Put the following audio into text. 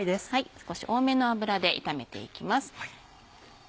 少し多めの油で炒めていきます。